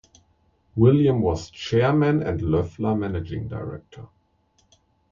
William was chairman and Loeffler managing director.